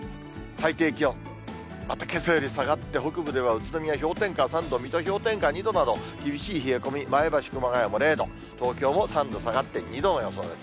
最低気温、またけさより下がって、北部では宇都宮氷点下３度、水戸氷点下２度など、厳しい冷え込み、前橋、熊谷も０度、東京も３度下がって２度の予想です。